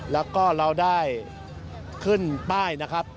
แล้วก็เราได้ขึ้นป้ายนะครับ